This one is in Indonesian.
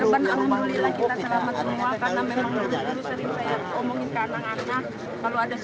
ibu nur lahilal